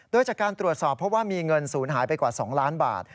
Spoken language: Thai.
โดยจากการตรวจสอบเพราะว่ามีเงินศูนย์หายไปกว่า๒ล้านบาท